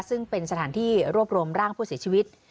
ซึ่งเป็นสถานที่รวบรวมร่างผู้เสียชีวิต